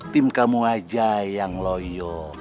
tim kamu aja yang loyo